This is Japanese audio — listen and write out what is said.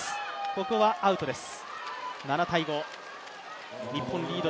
ここはアウトです。